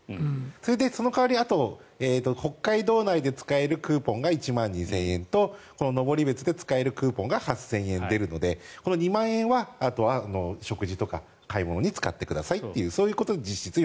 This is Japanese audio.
それでその代わり北海道内で使えるクーポンが１万２０００円と登別で使えるクーポンが８０００円出るのでこの２万円は食事とか買い物に使ってくださいというそういうことで実質４００円。